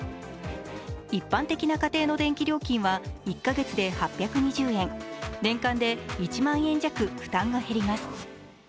一般的な家庭の電気料金は１か月で８２０円、年間で１万円弱負担が減ります。